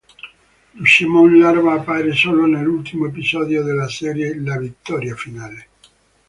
Lucemon Larva appare solo nell'ultimo episodio della serie, "La vittoria finale".